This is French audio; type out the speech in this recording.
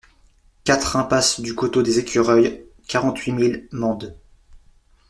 quatre impasse du Coteau des Ecureuils, quarante-huit mille Mende